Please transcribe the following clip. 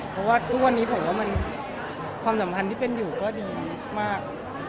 เพราะว่าทุกวันนี้ผมว่ามันความสัมพันธ์ที่เป็นอยู่ก็ดีมาก